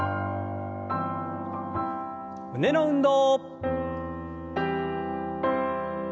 胸の運動。